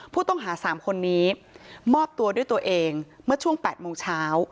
ผู้ต้องหา๓คนนี้มอบตัวด้วยตัวเองเมื่อช่วง๘โมงเช้า